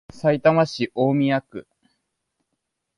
さいたま市大宮区